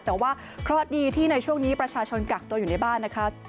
แต่ว่าเคราะห์ดีที่ในช่วงนี้ประชาชนกักตัวอยู่ในบ้านนะคะ